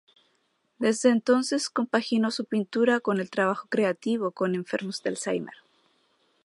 Desde entonces, compaginó su pintura con el trabajo creativo con enfermos de Alzheimer.